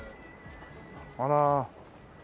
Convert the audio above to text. あら。